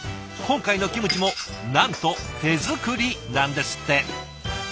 今回のキムチもなんと手作りなんですって。